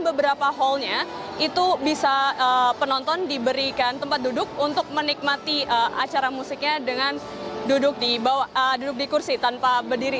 beberapa hallnya itu bisa penonton diberikan tempat duduk untuk menikmati acara musiknya dengan duduk di kursi tanpa berdiri